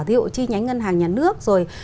ví dụ chi nhánh ngân hàng nhà nước rồi